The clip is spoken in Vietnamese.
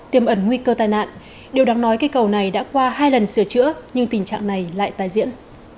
tiêm ẩn nguy cơ tai nạn điều đáng nói cây cầu này đã qua hai lần sửa chữa nhưng tình trạng này lại tái diễn